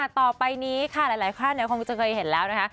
ต่อไปนี้ค่ะหลายท่านคงจะเคยเห็นแล้วนะคะ